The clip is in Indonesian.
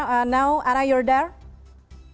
ana anda ada di sana